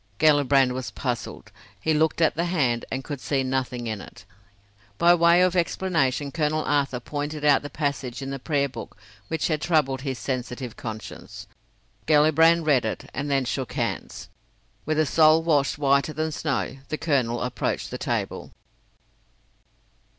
Gellibrand was puzzled; he looked at the hand and could see nothing in it. By way of explanation Colonel Arthur pointed out the passage in the prayer book which had troubled his sensitive conscience. Gellibrand read it, and then shook hands. With a soul washed whiter than snow, the colonel approached the table.